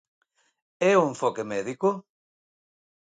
E o enfoque médico?